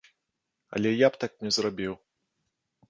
Але я б так не зрабіў.